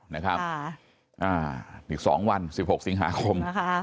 ๗๒๗๖๗๙นะครับ๑๒วัน๑๖สิงหาคม